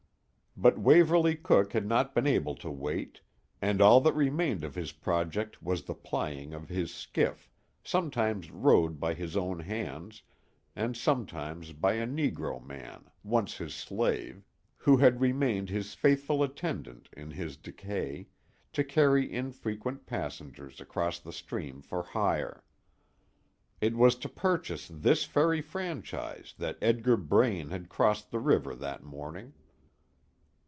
But Waverley Cooke had not been able to wait, and all that remained of his project was the plying of his skiff sometimes rowed by his own hands, and sometimes by a negro man, once his slave, who had remained his faithful attendant in his decay, to carry infrequent passengers across the stream for hire. It was to purchase this ferry franchise that Edgar Braine had crossed the river that morning.